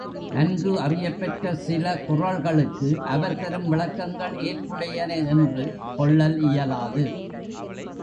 நன்கு அறியப்பெற்ற சில குறள்களுக்கு அவர் தரும் விளக்கங்கள் ஏற்புடையன என்று கொள்ளல் இயலாது.